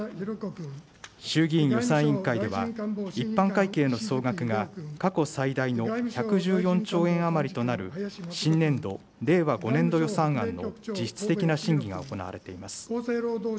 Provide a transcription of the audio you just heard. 衆議院予算委員会では、一般会計の総額が過去最大の１１４兆円余りとなる新年度・令和５年度予算案の実質的な審議が行われています。